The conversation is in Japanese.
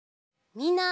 みんな！